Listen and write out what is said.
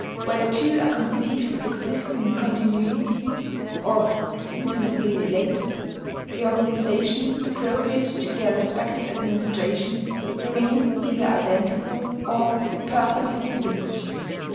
Where the two are conceived as existing in continuity, or as intimately related, the organizations appropriate to their respective administrations remain either identical or imperfectly distinguished